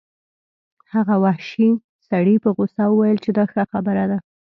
هغه وحشي سړي په غوسه وویل چې دا ښه خبره ده